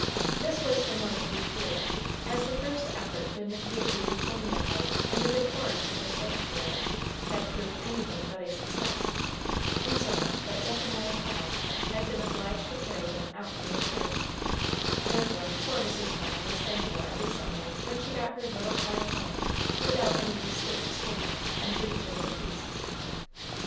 This was the more to be feared, as the first effort to initiate the youthful neophyte in the decorums of the sanctuary had proved anything but a success, insomuch that Zephaniah Pennel had been obliged to carry him out from the church; therefore, poor Mrs. Pennel was thankful every Sunday when she got her little charge home without any distinct scandal and breach of the peace.